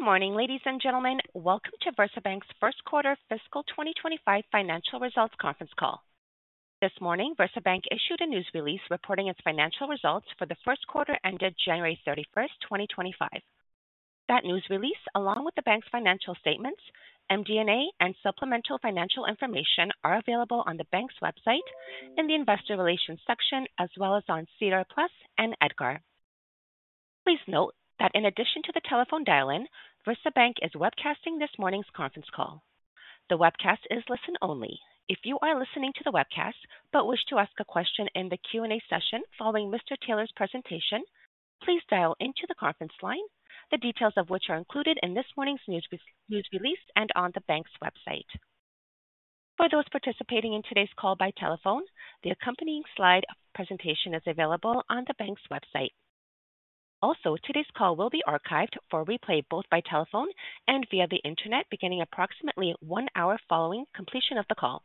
Good morning, ladies and gentlemen. Welcome to VersaBank's first-quarter fiscal 2025 financial results conference call. This morning, VersaBank issued a news release reporting its financial results for the first quarter ended January 31, 2025. That news release, along with the bank's financial statements, MD&A, and supplemental financial information, are available on the bank's website in the Investor Relations section, as well as on SEDAR Plus and EDGAR. Please note that in addition to the telephone dial-in, VersaBank is webcasting this morning's conference call. The webcast is listen-only. If you are listening to the webcast but wish to ask a question in the Q&A session following Mr. Taylor's presentation, please dial into the conference line, the details of which are included in this morning's news release and on the bank's website. For those participating in today's call by telephone, the accompanying slide presentation is available on the bank's website. Also, today's call will be archived for replay both by telephone and via the internet beginning approximately one hour following completion of the call.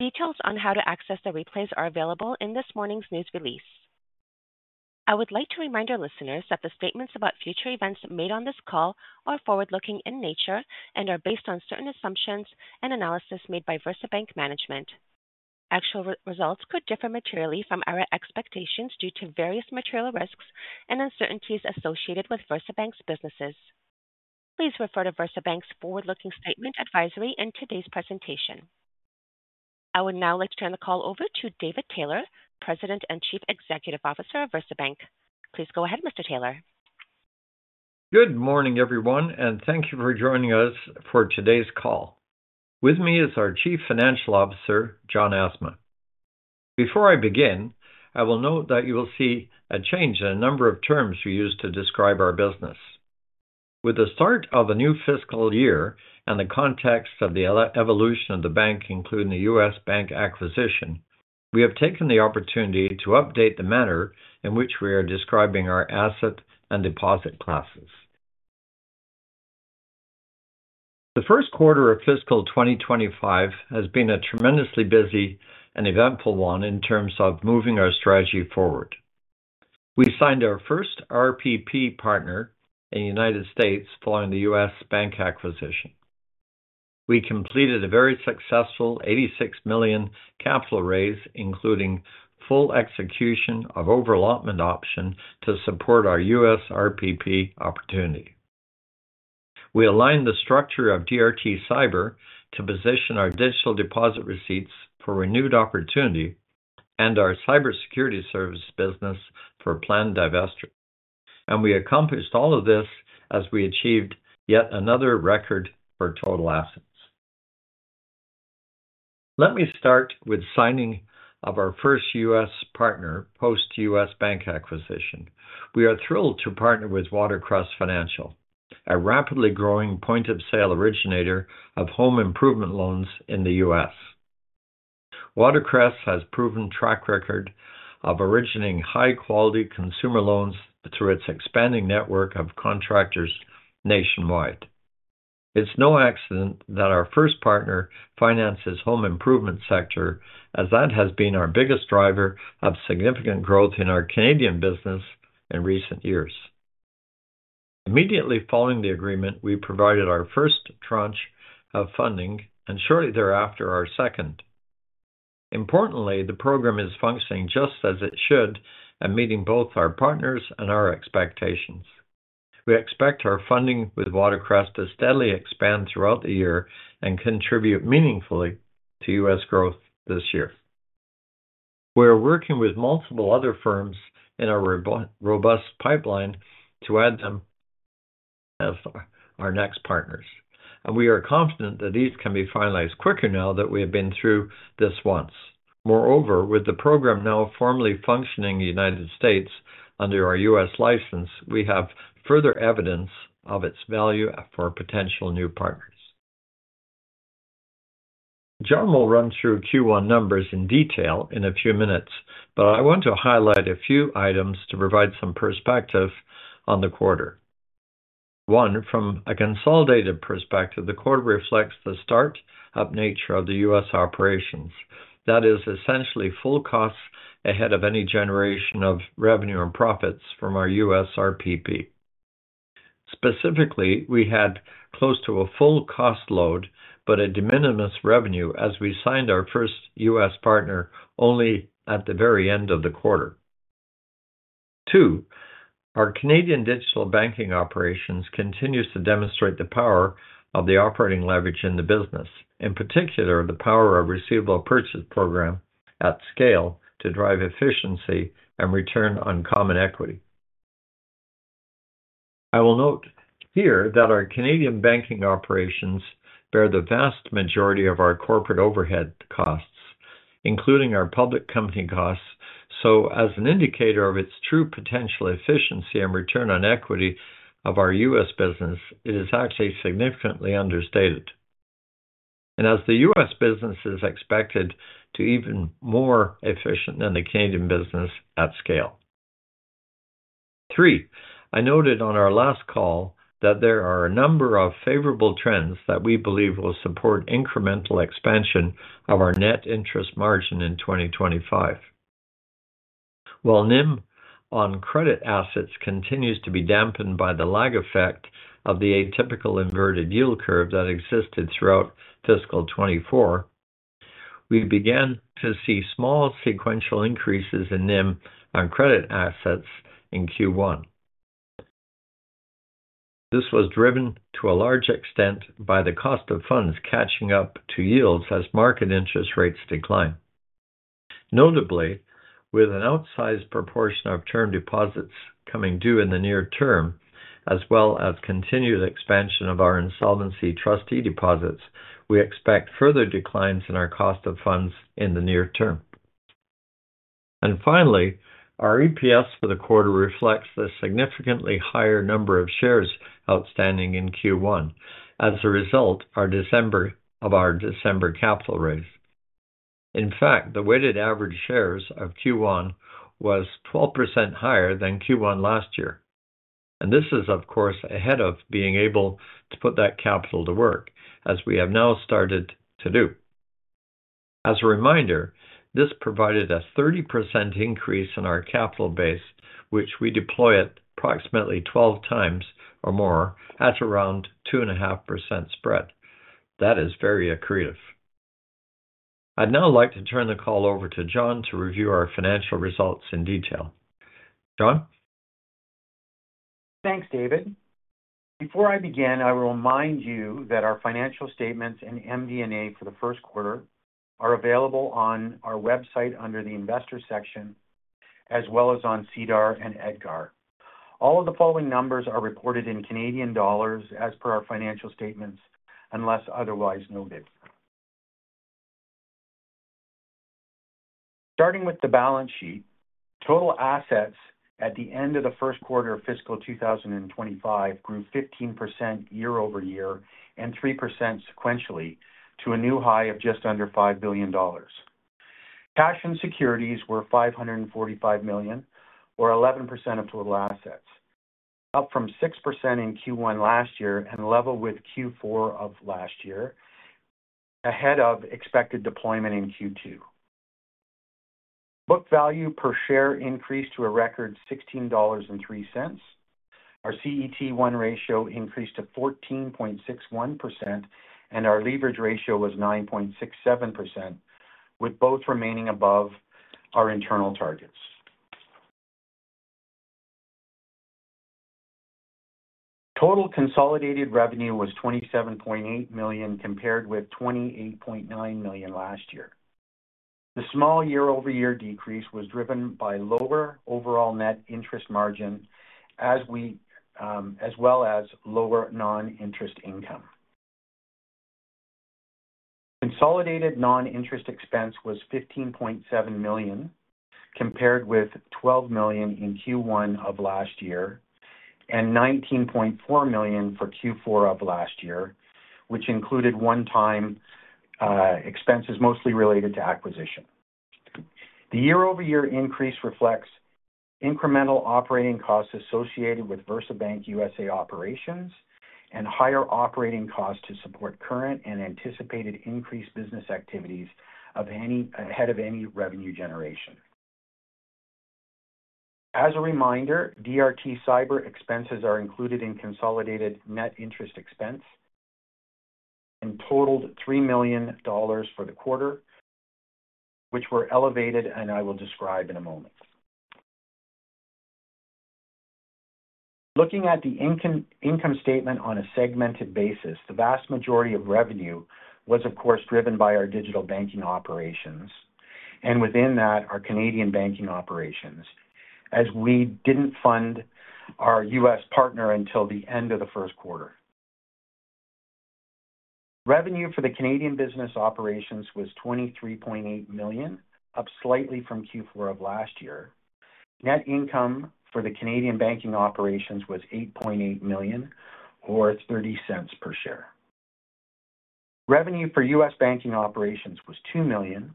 Details on how to access the replays are available in this morning's news release. I would like to remind our listeners that the statements about future events made on this call are forward-looking in nature and are based on certain assumptions and analysis made by VersaBank management. Actual results could differ materially from our expectations due to various material risks and uncertainties associated with VersaBank's businesses. Please refer to VersaBank's forward-looking statement advisory in today's presentation. I would now like to turn the call over to David Taylor, President and Chief Executive Officer of VersaBank. Please go ahead, Mr. Taylor. Good morning, everyone, and thank you for joining us for today's call. With me is our Chief Financial Officer, John Asma. Before I begin, I will note that you will see a change in a number of terms we use to describe our business. With the start of a new fiscal year and the context of the evolution of the bank, including the U.S. bank acquisition, we have taken the opportunity to update the manner in which we are describing our asset and deposit classes. The first quarter of fiscal 2025 has been a tremendously busy and eventful one in terms of moving our strategy forward. We signed our first RPP partner in the United States following the U.S. bank acquisition. We completed a very successful 86 million capital raise, including full execution of overall option to support our U.S. RPP opportunity. We aligned the structure of DRT Cyber to position our digital deposit receipts for renewed opportunity and our cybersecurity service business for planned divestiture. We accomplished all of this as we achieved yet another record for total assets. Let me start with signing of our first U.S. partner post-U.S. bank acquisition. We are thrilled to partner with Watercress Financial, a rapidly growing point-of-sale originator of home improvement loans in the U.S. Watercress has proven track record of originating high-quality consumer loans through its expanding network of contractors nationwide. It's no accident that our first partner finances home improvement sector, as that has been our biggest driver of significant growth in our Canadian business in recent years. Immediately following the agreement, we provided our first tranche of funding, and shortly thereafter our second. Importantly, the program is functioning just as it should and meeting both our partners and our expectations. We expect our funding with Watercress to steadily expand throughout the year and contribute meaningfully to U.S. growth this year. We are working with multiple other firms in our robust pipeline to add them as our next partners. We are confident that these can be finalized quicker now that we have been through this once. Moreover, with the program now formally functioning in the United States under our U.S. license, we have further evidence of its value for potential new partners. John will run through Q1 numbers in detail in a few minutes, but I want to highlight a few items to provide some perspective on the quarter. One, from a consolidated perspective, the quarter reflects the start-up nature of the U.S. operations. That is essentially full costs ahead of any generation of revenue and profits from our U.S. RPP. Specifically, we had close to a full cost load, but a de minimis revenue as we signed our first U.S. partner only at the very end of the quarter. Two, our Canadian digital banking operations continue to demonstrate the power of the operating leverage in the business, in particular the power of the Receivable Purchase Program at scale to drive efficiency and return on common equity. I will note here that our Canadian banking operations bear the vast majority of our corporate overhead costs, including our public company costs. As an indicator of its true potential efficiency and return on equity of our U.S. business, it is actually significantly understated. The U.S. business is expected to be even more efficient than the Canadian business at scale. Three, I noted on our last call that there are a number of favorable trends that we believe will support incremental expansion of our net interest margin in 2025. While NIM on credit assets continues to be dampened by the lag effect of the atypical inverted yield curve that existed throughout fiscal 2024, we began to see small sequential increases in NIM on credit assets in Q1. This was driven to a large extent by the cost of funds catching up to yields as market interest rates decline. Notably, with an outsized proportion of term deposits coming due in the near term, as well as continued expansion of our insolvency trustee deposits, we expect further declines in our cost of funds in the near term. Finally, our EPS for the quarter reflects the significantly higher number of shares outstanding in Q1. As a result of our December capital raise. In fact, the weighted average shares of Q1 was 12% higher than Q1 last year. This is, of course, ahead of being able to put that capital to work, as we have now started to do. As a reminder, this provided a 30% increase in our capital base, which we deploy at approximately 12 times or more at around 2.5% spread. That is very accretive. I'd now like to turn the call over to John to review our financial results in detail. John? Thanks, David. Before I begin, I will remind you that our financial statements and MD&A for the first quarter are available on our website under the investor section, as well as on SEDAR and EDGAR. All of the following numbers are reported in CAD as per our financial statements, unless otherwise noted. Starting with the balance sheet, total assets at the end of the first quarter of fiscal 2025 grew 15% year over year and 3% sequentially to a new high of just under 5 billion dollars. Cash and securities were 545 million, or 11% of total assets, up from 6% in Q1 last year and level with Q4 of last year, ahead of expected deployment in Q2. Book value per share increased to a record 16.03 dollars. Our CET1 Ratio increased to 14.61%, and our Leverage Ratio was 9.67%, with both remaining above our internal targets. Total consolidated revenue was 27.8 million compared with 28.9 million last year. The small year-over-year decrease was driven by lower overall net interest margin, as well as lower non-interest income. Consolidated non-interest expense was 15.7 million compared with 12 million in Q1 of last year and 19.4 million for Q4 of last year, which included one-time expenses mostly related to acquisition. The year-over-year increase reflects incremental operating costs associated with VersaBank USA operations and higher operating costs to support current and anticipated increased business activities ahead of any revenue generation. As a reminder, DRT Cyber expenses are included in consolidated net interest expense and totaled 3 million dollars for the quarter, which were elevated, and I will describe in a moment. Looking at the income statement on a segmented basis, the vast majority of revenue was, of course, driven by our digital banking operations, and within that, our Canadian banking operations, as we did not fund our U.S. partner until the end of the first quarter. Revenue for the Canadian business operations was 23.8 million, up slightly from Q4 of last year. Net income for the Canadian banking operations was 8.8 million, or 0.30 per share. Revenue for U.S. banking operations was 2 million,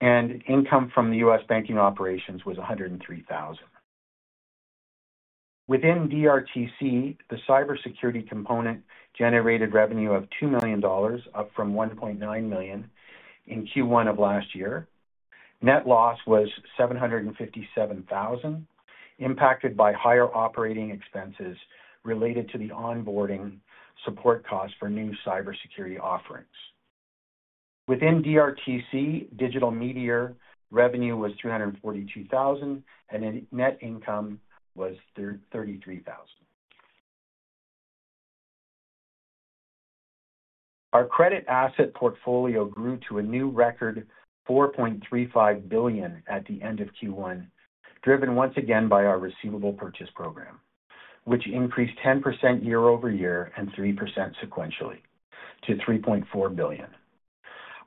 and income from the U.S. banking operations was 103,000. Within DRT Cyber, the cybersecurity component generated revenue of 2 million dollars, up from 1.9 million in Q1 of last year. Net loss was 757,000, impacted by higher operating expenses related to the onboarding support costs for new cybersecurity offerings. Within DRT Cyber, digital media revenue was 342,000, and net income was 33,000. Our credit asset portfolio grew to a new record 4.35 billion at the end of Q1, driven once again by our Receivable Purchase Program, which increased 10% year over year and 3% sequentially to 3.4 billion.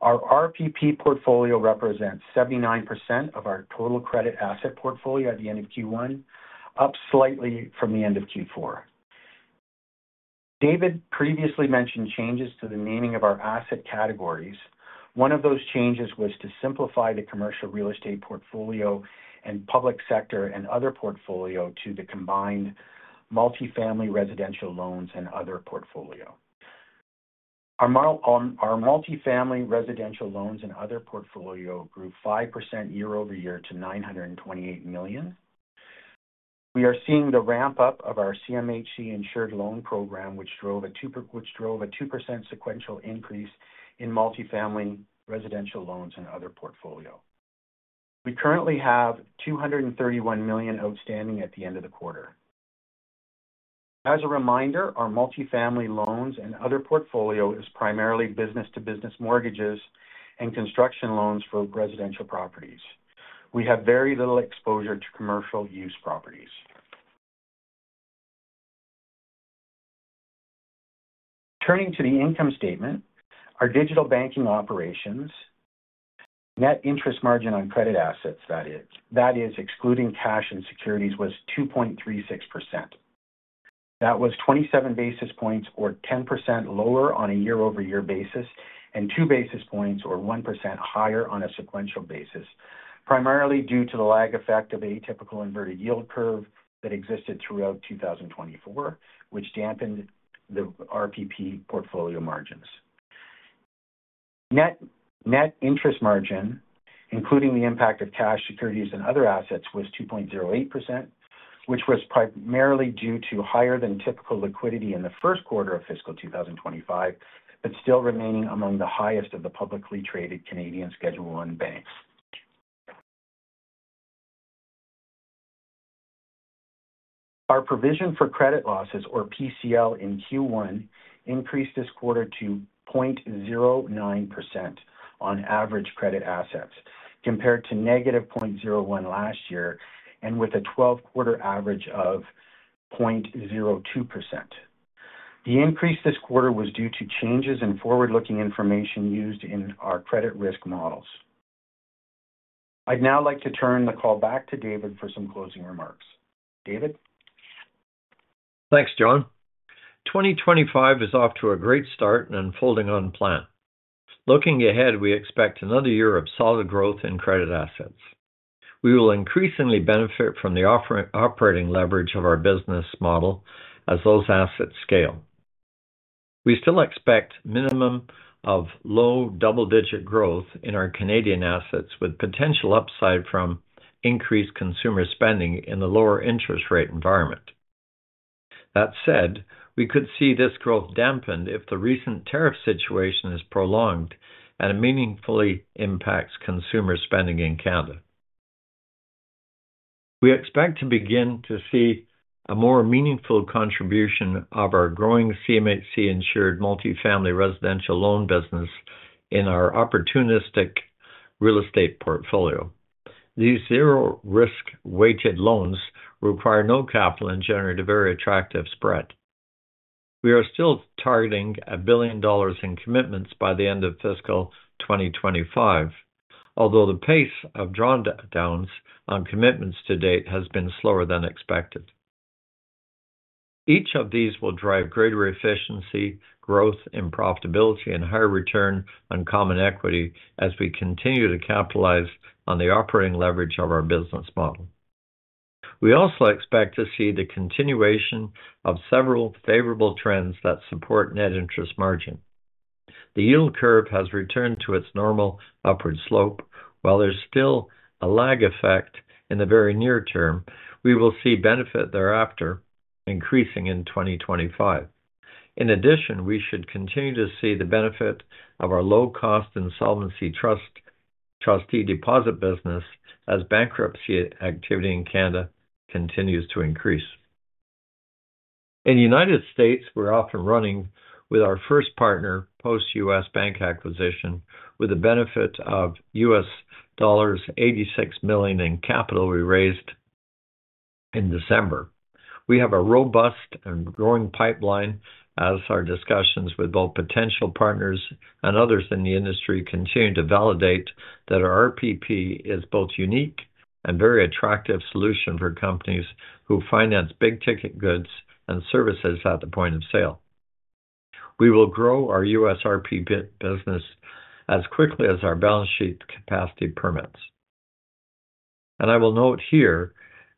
Our RPP portfolio represents 79% of our total credit asset portfolio at the end of Q1, up slightly from the end of Q4. David previously mentioned changes to the naming of our asset categories. One of those changes was to simplify the commercial real estate portfolio and public sector and other portfolio to the combined multifamily residential loans and other portfolio. Our multifamily residential loans and other portfolio grew 5% year over year to 928 million. We are seeing the ramp-up of our CMHC Insured Loan Program, which drove a 2% sequential increase in multifamily residential loans and other portfolio. We currently have 231 million outstanding at the end of the quarter. As a reminder, our multifamily loans and other portfolio is primarily business-to-business mortgages and construction loans for residential properties. We have very little exposure to commercial use properties. Turning to the income statement, our digital banking operations, net interest margin on credit assets, that is, excluding cash and securities, was 2.36%. That was 27 basis points, or 10% lower on a year-over-year basis, and 2 basis points, or 1% higher on a sequential basis, primarily due to the lag effect of the atypical inverted yield curve that existed throughout 2024, which dampened the RPP portfolio margins. Net interest margin, including the impact of cash, securities, and other assets, was 2.08%, which was primarily due to higher-than-typical liquidity in the first quarter of fiscal 2025, but still remaining among the highest of the publicly traded Canadian Schedule I banks. Our provision for credit losses, or PCL, in Q1 increased this quarter to 0.09% on average credit assets, compared to negative 0.01% last year and with a 12-quarter average of 0.02%. The increase this quarter was due to changes in forward-looking information used in our credit risk models. I'd now like to turn the call back to David for some closing remarks. David? Thanks, John. 2025 is off to a great start and unfolding on plan. Looking ahead, we expect another year of solid growth in credit assets. We will increasingly benefit from the operating leverage of our business model as those assets scale. We still expect a minimum of low double-digit growth in our Canadian assets, with potential upside from increased consumer spending in the lower interest rate environment. That said, we could see this growth dampened if the recent tariff situation is prolonged and it meaningfully impacts consumer spending in Canada. We expect to begin to see a more meaningful contribution of our growing CMHC insured multifamily residential loan business in our opportunistic real estate portfolio. These zero-risk weighted loans require no capital and generate a very attractive spread. We are still targeting 1 billion dollars in commitments by the end of fiscal 2025, although the pace of drawdowns on commitments to date has been slower than expected. Each of these will drive greater efficiency, growth in profitability, and higher return on common equity as we continue to capitalize on the operating leverage of our business model. We also expect to see the continuation of several favorable trends that support net interest margin. The yield curve has returned to its normal upward slope. While there is still a lag effect in the very near term, we will see benefit thereafter increasing in 2025. In addition, we should continue to see the benefit of our low-cost insolvency trustee deposit business as bankruptcy activity in Canada continues to increase. In the U.S., we are off and running with our first partner post-U.S. bank acquisition, with the benefit of U.S. $86 million in capital we raised in December. We have a robust and growing pipeline as our discussions with both potential partners and others in the industry continue to validate that our RPP is both unique and a very attractive solution for companies who finance big-ticket goods and services at the point of sale. We will grow our U.S. RPP business as quickly as our balance sheet capacity permits. I will note here,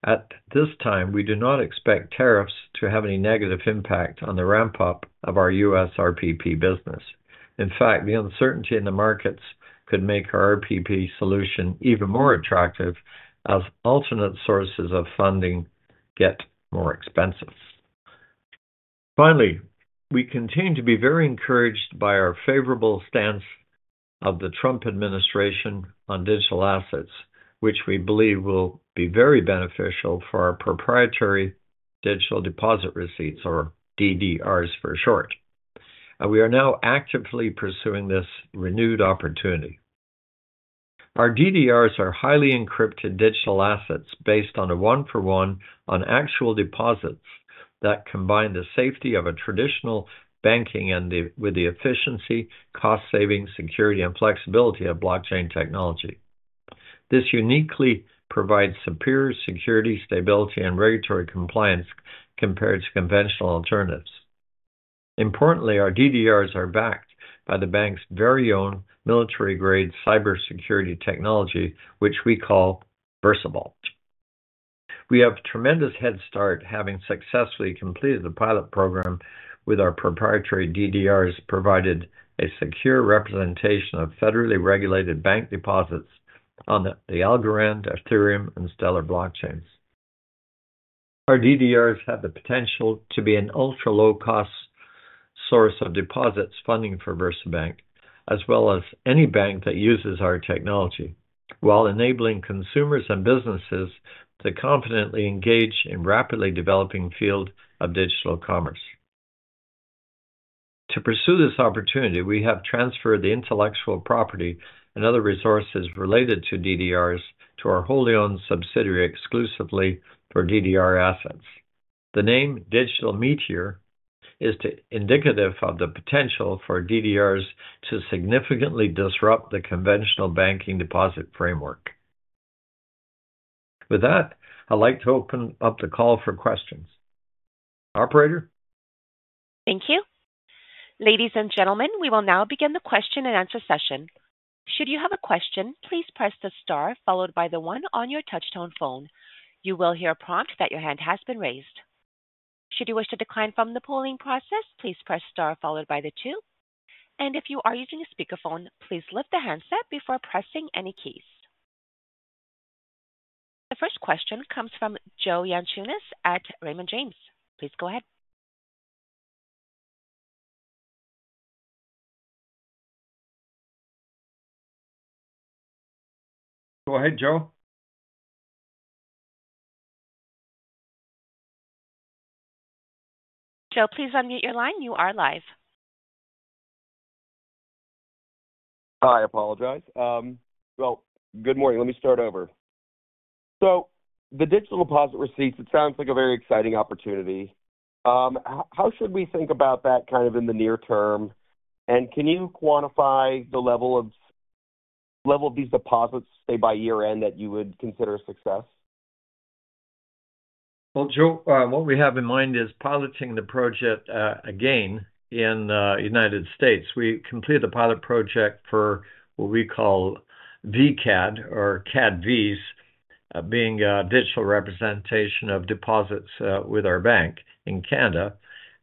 at this time, we do not expect tariffs to have any negative impact on the ramp-up of our U.S. RPP business. In fact, the uncertainty in the markets could make our RPP solution even more attractive as alternate sources of funding get more expensive. Finally, we continue to be very encouraged by our favorable stance of the Trump administration on digital assets, which we believe will be very beneficial for our proprietary digital deposit receipts, or DDRs for short. We are now actively pursuing this renewed opportunity. Our DDRs are highly encrypted digital assets based on a one-for-one on actual deposits that combine the safety of a traditional banking with the efficiency, cost savings, security, and flexibility of blockchain technology. This uniquely provides superior security, stability, and regulatory compliance compared to conventional alternatives. Importantly, our DDRs are backed by the bank's very own military-grade cybersecurity technology, which we call VersaVault. We have a tremendous head start having successfully completed the pilot program with our proprietary DDRs providing a secure representation of federally regulated bank deposits on the Algorand, Ethereum, and Stellar blockchains. Our DDRs have the potential to be an ultra-low-cost source of deposits funding for VersaBank, as well as any bank that uses our technology, while enabling consumers and businesses to confidently engage in the rapidly developing field of digital commerce. To pursue this opportunity, we have transferred the intellectual property and other resources related to DDRs to our wholly owned subsidiary exclusively for DDR assets. The name Digital Meteor is indicative of the potential for DDRs to significantly disrupt the conventional banking deposit framework. With that, I'd like to open up the call for questions. Operator? Thank you. Ladies and gentlemen, we will now begin the question-and-answer session. Should you have a question, please press the star followed by the one on your touch-tone phone. You will hear a prompt that your hand has been raised. Should you wish to decline from the polling process, please press star followed by the two. If you are using a speakerphone, please lift the handset before pressing any keys. The first question comes from Joe Yanchunis at Raymond James. Please go ahead. Go ahead, Joe. Joe, please unmute your line. You are live. I apologize. Good morning. Let me start over. The digital deposit receipts, it sounds like a very exciting opportunity. How should we think about that kind of in the near term? Can you quantify the level of these deposits by year-end that you would consider a success? Joe, what we have in mind is piloting the project again in the United States. We completed the pilot project for what we call VCAD, or CADVs, being a digital representation of deposits with our bank in Canada.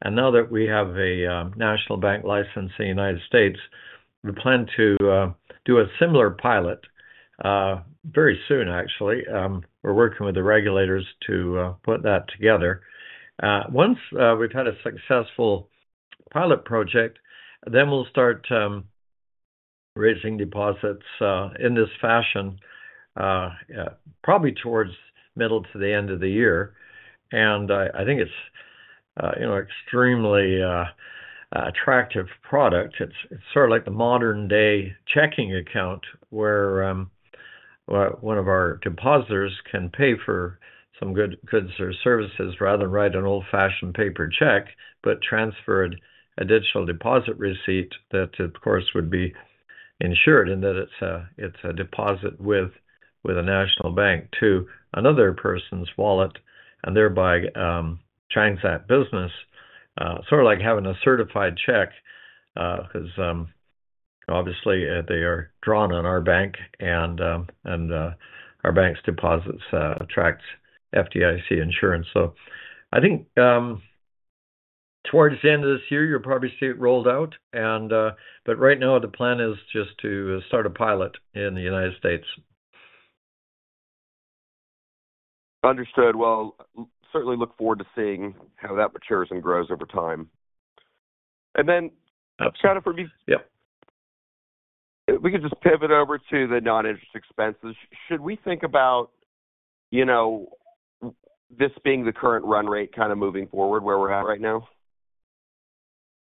Now that we have a national bank license in the United States, we plan to do a similar pilot very soon, actually. We're working with the regulators to put that together. Once we've had a successful pilot project, we'll start raising deposits in this fashion, probably towards the middle to the end of the year. I think it's an extremely attractive product. It's sort of like the modern-day checking account where one of our depositors can pay for some goods or services rather than write an old-fashioned paper check, but transfer a digital deposit receipt that, of course, would be insured in that it's a deposit with a national bank to another person's wallet and thereby transact business, sort of like having a certified check because, obviously, they are drawn on our bank and our bank's deposits attract FDIC insurance. I think towards the end of this year, you'll probably see it rolled out. Right now, the plan is just to start a pilot in the United States. Understood. Certainly look forward to seeing how that matures and grows over time. John, if we could just pivot over to the non-interest expenses, should we think about this being the current run rate kind of moving forward where we're at right now?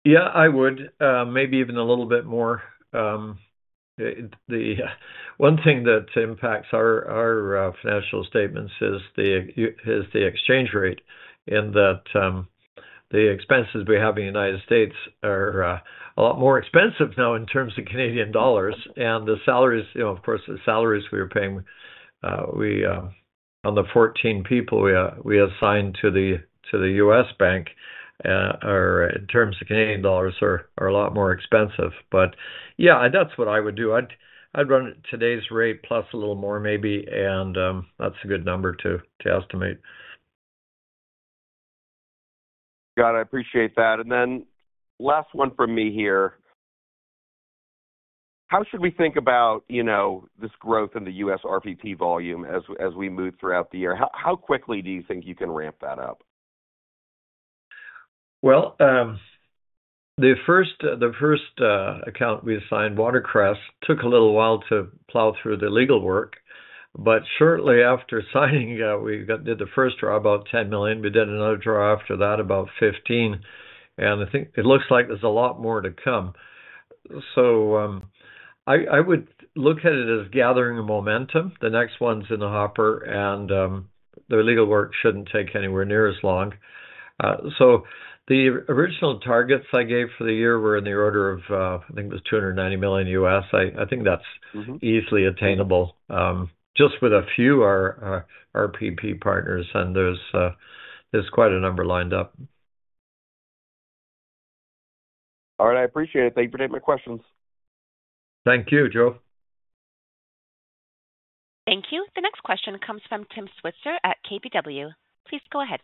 Yeah, I would, maybe even a little bit more. The one thing that impacts our financial statements is the exchange rate in that the expenses we have in the U.S. are a lot more expensive now in terms of CAD. The salaries, of course, the salaries we are paying on the 14 people we assigned to the U.S. bank, in terms of CAD, are a lot more expensive. Yeah, that's what I would do. I'd run at today's rate plus a little more, maybe. That's a good number to estimate. Got it. I appreciate that. Last one from me here. How should we think about this growth in the U.S. RPP volume as we move throughout the year? How quickly do you think you can ramp that up? The first account we assigned, Watercress, took a little while to plow through the legal work. Shortly after signing, we did the first draw, about 10 million. We did another draw after that, about 15 million. I think it looks like there is a lot more to come. I would look at it as gathering momentum. The next one is in the hopper, and the legal work should not take anywhere near as long. The original targets I gave for the year were in the order of, I think it was $290 million U.S. I think that is easily attainable just with a few RPP partners, and there is quite a number lined up. All right. I appreciate it. Thank you for taking my questions. Thank you, Joe. Thank you. The next question comes from Tim Switzer at KPW. Please go ahead.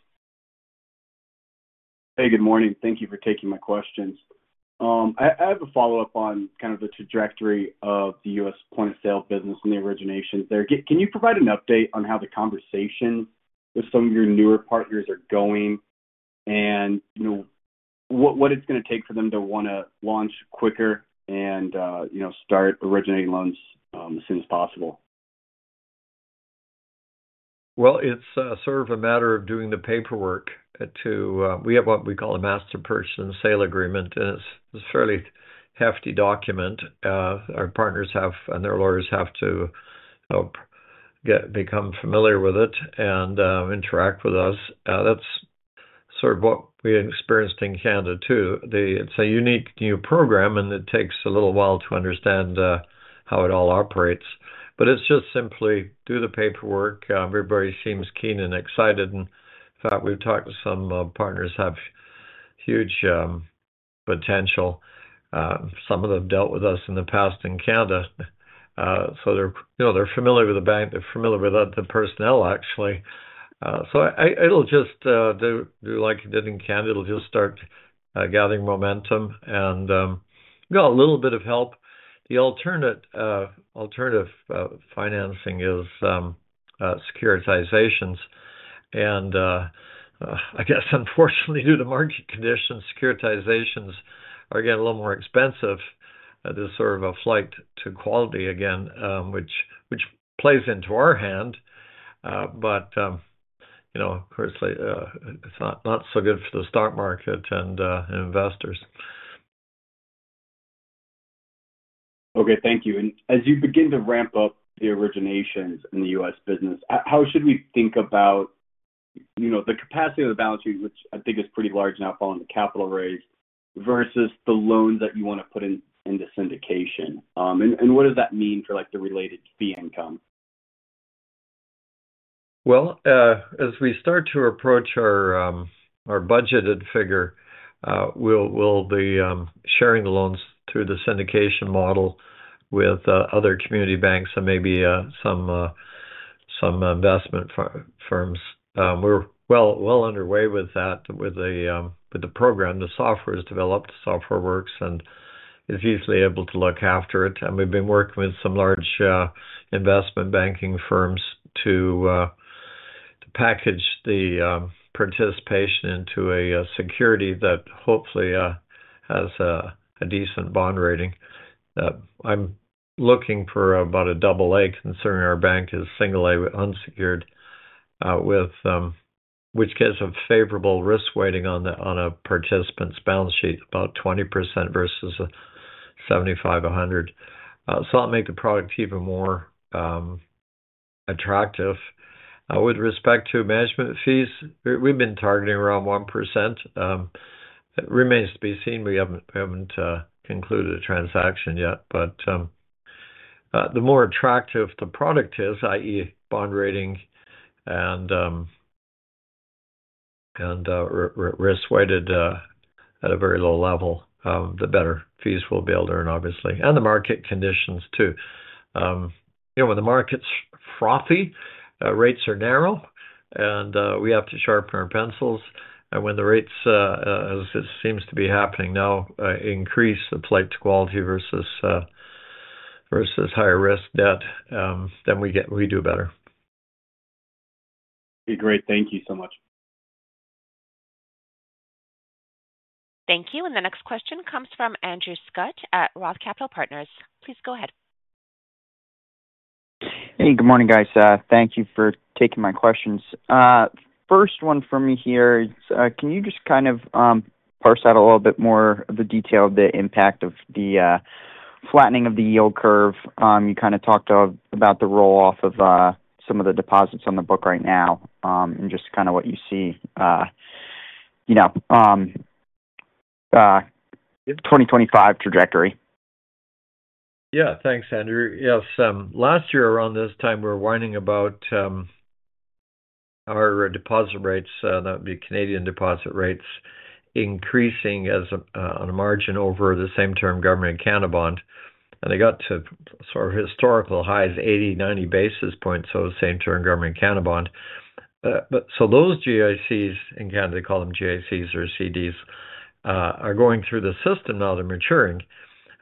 Hey, good morning. Thank you for taking my questions. I have a follow-up on kind of the trajectory of the U.S. point-of-sale business and the origination there. Can you provide an update on how the conversations with some of your newer partners are going and what it's going to take for them to want to launch quicker and start originating loans as soon as possible? It's sort of a matter of doing the paperwork to we have what we call a master purchase and sale agreement, and it's a fairly hefty document. Our partners and their lawyers have to become familiar with it and interact with us. That's sort of what we experienced in Canada, too. It's a unique new program, and it takes a little while to understand how it all operates. It's just simply do the paperwork. Everybody seems keen and excited. In fact, we've talked to some partners who have huge potential. Some of them dealt with us in the past in Canada. They're familiar with the bank. They're familiar with the personnel, actually. It'll just do like it did in Canada. It'll just start gathering momentum and get a little bit of help. The alternative financing is securitizations. I guess, unfortunately, due to market conditions, securitizations are getting a little more expensive. There is sort of a flight to quality again, which plays into our hand. Of course, it is not so good for the stock market and investors. Thank you. As you begin to ramp up the originations in the U.S. business, how should we think about the capacity of the balance sheet, which I think is pretty large now following the capital raise, versus the loans that you want to put in the syndication? What does that mean for the related fee income? As we start to approach our budgeted figure, we'll be sharing the loans through the syndication model with other community banks and maybe some investment firms. We're well underway with that with the program. The software is developed. The software works, and it's easily able to look after it. We've been working with some large investment banking firms to package the participation into a security that hopefully has a decent bond rating. I'm looking for about a double-A concerning our bank is single-A unsecured, which gives a favorable risk weighting on a participant's balance sheet, about 20% versus a 75-100. That'll make the product even more attractive. With respect to management fees, we've been targeting around 1%. It remains to be seen. We haven't concluded a transaction yet. The more attractive the product is, i.e., bond rating and risk weighted at a very low level, the better fees we'll be able to earn, obviously. The market conditions, too. When the market's frothy, rates are narrow, and we have to sharpen our pencils. When the rates, as it seems to be happening now, increase the plate to quality versus higher risk debt, then we do better. Okay. Great. Thank you so much. Thank you. The next question comes from Andrew Scutt at ROTH Capital Partners. Please go ahead. Hey, good morning, guys. Thank you for taking my questions. First one for me here, can you just kind of parse out a little bit more of the detail of the impact of the flattening of the yield curve? You kind of talked about the roll-off of some of the deposits on the book right now and just kind of what you see in the 2025 trajectory. Yeah. Thanks, Andrew. Yes. Last year around this time, we were warning about our deposit rates, that would be Canadian deposit rates, increasing on a margin over the same-term Government Canada bond. They got to sort of historical highs, 80-90 basis points over the same-term Government Canada bond. Those GICs in Canada, they call them GICs or CDs, are going through the system now. They're maturing.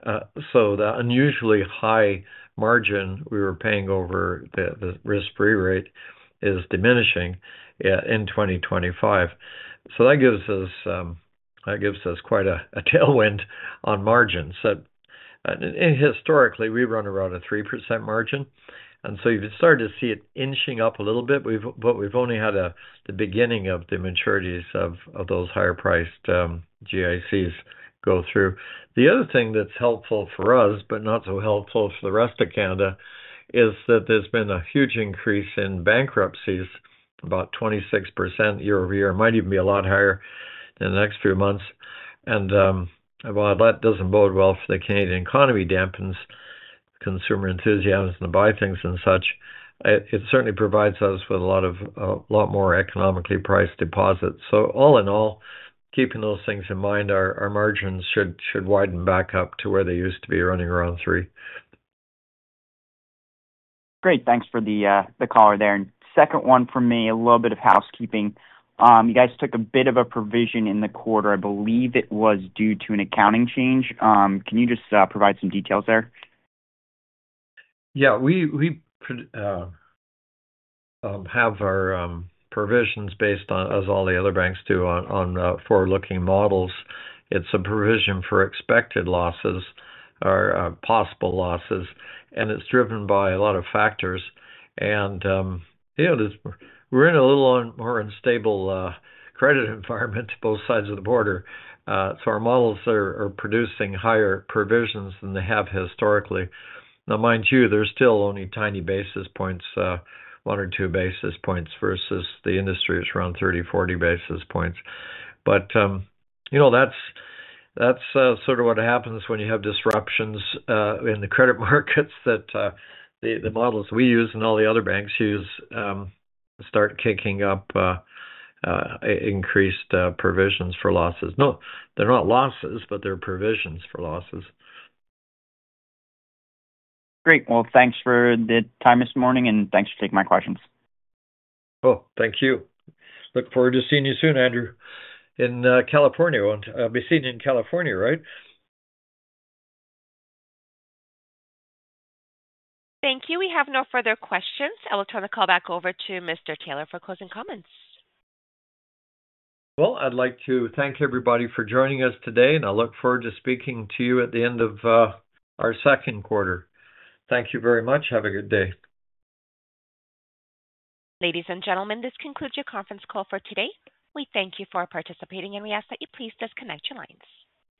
The unusually high margin we were paying over the risk-free rate is diminishing in 2025. That gives us quite a tailwind on margins. Historically, we run around a 3% margin. You've started to see it inching up a little bit, but we've only had the beginning of the maturities of those higher-priced GICs go through. The other thing that's helpful for us, but not so helpful for the rest of Canada, is that there's been a huge increase in bankruptcies, about 26% year over year. It might even be a lot higher in the next few months. While that doesn't bode well for the Canadian economy, dampens consumer enthusiasm to buy things and such, it certainly provides us with a lot more economically priced deposits. All in all, keeping those things in mind, our margins should widen back up to where they used to be running around three. Great. Thanks for the caller there. Second one for me, a little bit of housekeeping. You guys took a bit of a provision in the quarter. I believe it was due to an accounting change. Can you just provide some details there? Yeah. We have our provisions based on, as all the other banks do, on forward-looking models. It is a provision for expected losses or possible losses. It is driven by a lot of factors. We are in a little more unstable credit environment on both sides of the border. Our models are producing higher provisions than they have historically. Mind you, they are still only tiny basis points, one or two basis points, versus the industry is around 30-40 basis points. That is what happens when you have disruptions in the credit markets that the models we use and all the other banks use start kicking up increased provisions for losses. No, they are not losses, but they are provisions for losses. Great. Thanks for the time this morning, and thanks for taking my questions. Oh, thank you. Look forward to seeing you soon, Andrew, in California. I'll be seeing you in California, right? Thank you. We have no further questions. I'll turn the call back over to Mr. Taylor for closing comments. I would like to thank everybody for joining us today, and I look forward to speaking to you at the end of our second quarter. Thank you very much. Have a good day. Ladies and gentlemen, this concludes your conference call for today. We thank you for participating, and we ask that you please disconnect your lines.